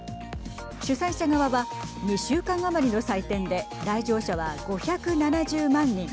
主催者側は２週間余りの祭典で来場者は５７０万人。